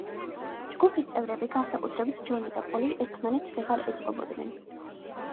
ჯგუფის წევრები, განსაკუთრებით ჯონი და პოლი ერთმანეთს ვეღარ ეწყობოდნენ.